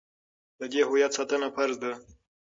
د دې هویت ساتنه فرض ده.